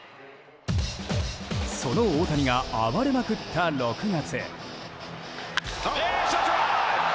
その大谷が暴れまくった６月。